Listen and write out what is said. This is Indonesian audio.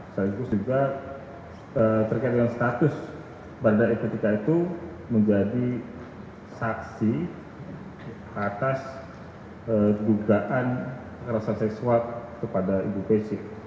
selain itu juga terkait dengan status baradae ketika itu menjadi saksi atas dugaan kerasa seksual kepada ibu pc